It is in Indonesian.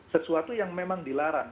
sesuatu yang memang dilarang